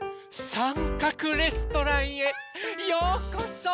さんかくレストランへようこそ！